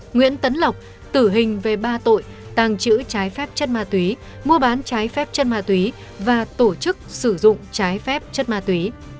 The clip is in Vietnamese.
nguyễn tấn lộc tử hình về ba tội tàng trữ trái phép chất ma túy mua bán trái phép chất ma túy và tổ chức sử dụng trái phép chất ma túy